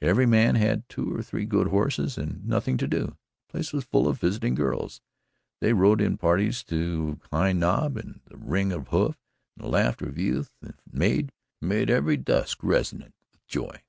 Every man had two or three good horses and nothing to do. The place was full of visiting girls. They rode in parties to High Knob, and the ring of hoof and the laughter of youth and maid made every dusk resonant with joy.